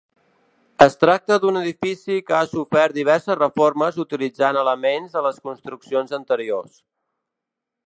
Es tracta d’un edifici que ha sofert diverses reformes utilitzant elements de les construccions anteriors.